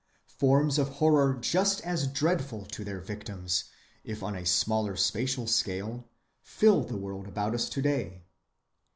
Forms of horror just as dreadful to their victims, if on a smaller spatial scale, fill the world about us to‐ day.